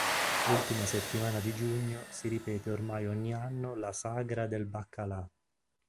L'ultima settimana di giugno si ripete ormai ogni anno la "Sagra del baccalà".